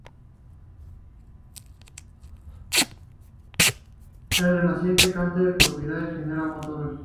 El Renaissance Center es propiedad de General Motors.